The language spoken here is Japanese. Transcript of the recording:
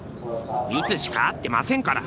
「ミツ」しか合ってませんから。